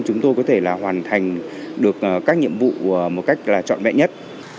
chúng tôi có thể là hoàn thành được các nhiệm vụ một cách trọn vẹn nhất